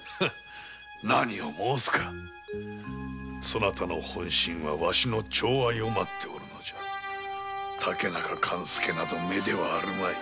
そなたの本心はワシのちょう愛を待っておるのじゃ竹中勘助など目ではあるまい。